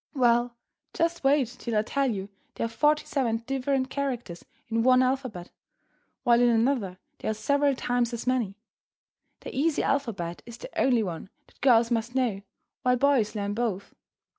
Well, just wait till I tell you there are forty seven different characters in one alphabet, while in another there are several times as many. The easy alphabet is the only one that girls must know, while boys learn both.